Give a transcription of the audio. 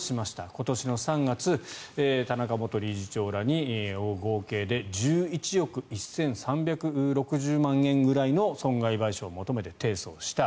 今年の３月、田中元理事長らに合計で１１億１３６０万円ぐらいの損害賠償を求めて提訴した。